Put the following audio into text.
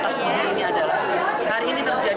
satu hal yang perlu kita ingat